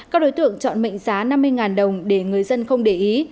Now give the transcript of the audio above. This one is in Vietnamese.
các đối tượng chọn mệnh giá năm mươi đồng để người dân không để ý